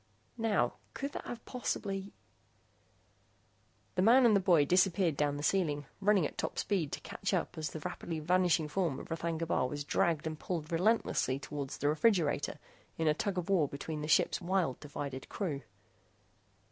Now, could that have possibly ...? The man and the boy disappeared down the ceiling, running at top speed to catch up as the rapidly vanishing form of R'thagna Bar was dragged and pulled relentlessly toward the refrigerator in a tug of war between the ship's wild, divided crew.